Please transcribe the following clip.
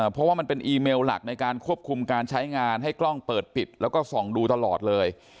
เพราะว่ามันเป็นอีเมลหลักในการควบคุมการใช้งานให้กล้องเปิดปิดแล้วก็ส่องดูตลอดเลย